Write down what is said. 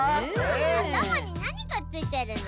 あたまになにがついてるの？